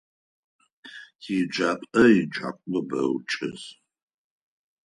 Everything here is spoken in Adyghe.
Тиеджапӏэ еджакӏо бэу чӏэс.